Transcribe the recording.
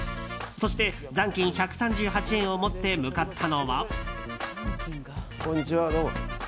そして、残金１３８円を持って向かったのは。